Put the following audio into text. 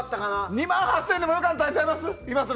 ２万８０００円でもよかったんちゃいます？